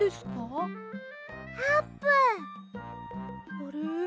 あれ？